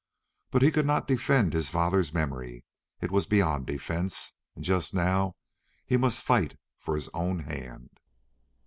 But he could not defend his father's memory, it was beyond defence, and just now he must fight for his own hand.